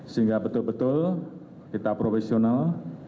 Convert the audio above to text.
sehingga betul betul kita profesional